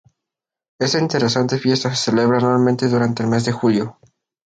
Esta interesante fiesta se celebra anualmente durante el mes de julio.